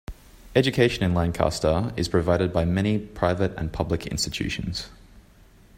Education in Lancaster is provided by many private and public institutions.